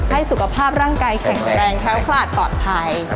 สุขภาพร่างกายแข็งแรงแค้วคลาดปลอดภัย